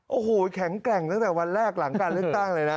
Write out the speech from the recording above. โอ้โหแข็งแกร่งตั้งแต่วันแรกหลังการเลือกตั้งเลยนะ